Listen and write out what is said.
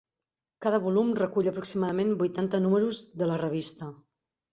Cada volum recull aproximadament vuitanta números de la revista.